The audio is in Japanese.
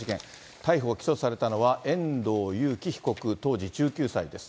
逮捕・起訴されたのは遠藤裕喜被告、当時１９歳です。